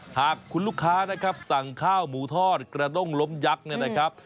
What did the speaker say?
หากคุณลูกค้านะครับสั่งข้าวหมูทอดกระด้งล้มยักษ์เนี่ยนะครับ